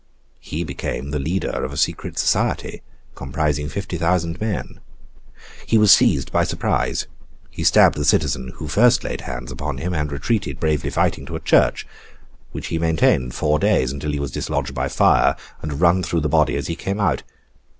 He became the leader of a secret society, comprising fifty thousand men; he was seized by surprise; he stabbed the citizen who first laid hands upon him; and retreated, bravely fighting, to a church, which he maintained four days, until he was dislodged by fire, and run through the body as he came out.